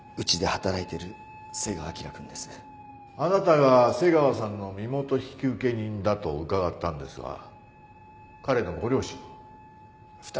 あなたが瀬川さんの身元引受人だと伺ったんですが彼のご両親は？